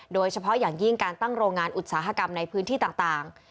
โดยเฉพาะอย่างยิ่งการตั้งโรงงานอุตสาหกรรมในพื้นที่ต่าง